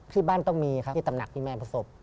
ที่บ้านต้องมีครับที่ตำหนักที่แม่ประสบ